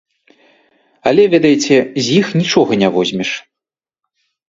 Але, ведаеце, з іх нічога не возьмеш.